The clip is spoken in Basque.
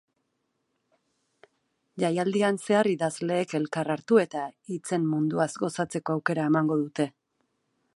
Jaialdian zehar, idazleek elkar hartu eta hitzen munduaz gozatzeko aukera emango dute.